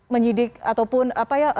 menyidik ataupun apa ya